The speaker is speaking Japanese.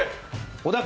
小田君。